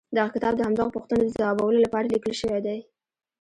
دغه کتاب د همدغو پوښتنو د ځوابولو لپاره ليکل شوی دی.